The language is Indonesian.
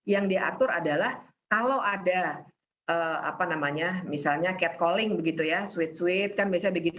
yang diatur adalah kalau ada catcalling sweet sweet